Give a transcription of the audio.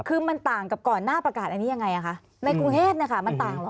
คือมันต่างกับก่อนหน้าประกาศอันนี้ยังไงคะในกรุงเทพมันต่างเหรอ